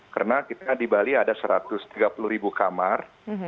karena kita di bali ada satu ratus tiga puluh ribu kamar